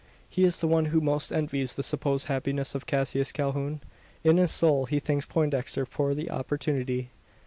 He is the one who most envies the supposed happiness of Cassius Calhoun. In his soul he thanks Poindexter for the opportunity.